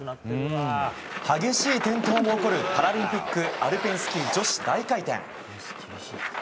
激しい転倒も起こるパラリンピックアルペンスキー女子大回転。